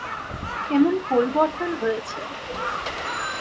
এমন পরিবর্তন হয়েছে।